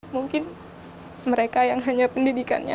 mungkin mereka yang hanya pendidikannya